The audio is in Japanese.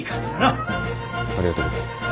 ありがとうございます。